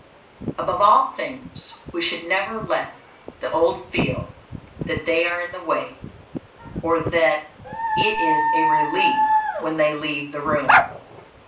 Above all things, we should never let the old feel that they are in the way, or that it is a relief when they leave the room.